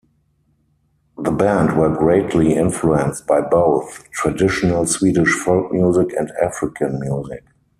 The band were greatly influenced by both traditional Swedish folk music and African music.